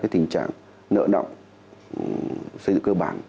tình trạng nợ động xây dựng cơ bản